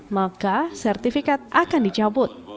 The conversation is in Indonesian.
maka sertifikat akan dicabut